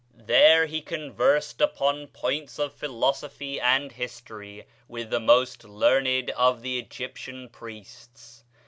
There he conversed upon points of philosophy and history with the most learned of the Egyptian priests.